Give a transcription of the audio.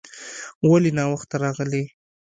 ولې ناوخته راغلې ؟